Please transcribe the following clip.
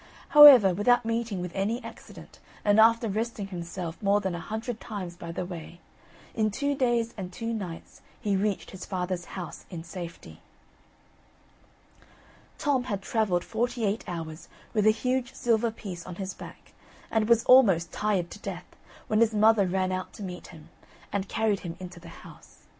However, without meeting with any accident, and after resting himself more than a hundred times by the way, in two days and two nights he reached his father's house in safety. Tom had travelled forty eight hours with a huge silver piece on his back, and was almost tired to death, when his mother ran out to meet him, and carried him into the house.